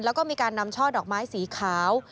แล้วก็มีการนำช่อดอกไม้สีขาว